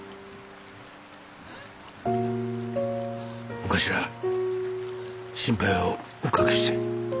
お頭心配をおかけして。